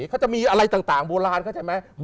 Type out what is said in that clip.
ก็จะมีอะไรต่างโบราณเข้าใจไหม